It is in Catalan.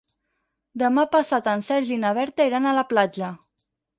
Demà passat en Sergi i na Berta iran a la platja.